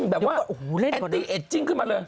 แบบว่าแอนตี้เอดจิ้งขึ้นมาเลย